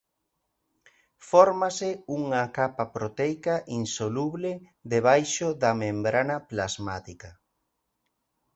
Fórmase unha capa proteica insoluble debaixo da membrana plasmática.